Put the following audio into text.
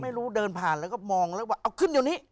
เดินผ่านแล้วก็มองแล้วว่าเอาขึ้นเดี๋ยวนี้